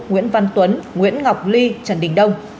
nguyễn văn tuấn nguyễn ngọc ly trần đình đông